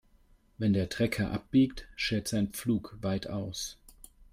Wenn der Trecker abbiegt, schert sein Pflug weit aus.